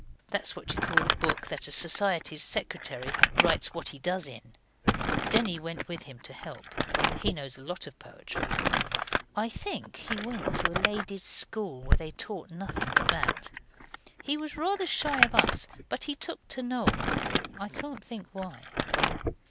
That's what you call the book that a society's secretary writes what it does in. Denny went with him to help. He knows a lot of poetry. I think he went to a lady's school where they taught nothing but that. He was rather shy of us, but he took to Noel. I can't think why.